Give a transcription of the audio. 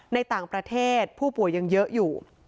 ในต่างประเทศผู้ป่วยยังเยอะอยู่